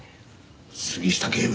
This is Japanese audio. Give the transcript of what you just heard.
杉下警部。